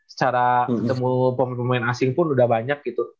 secara ketemu pemain pemain asing pun udah banyak gitu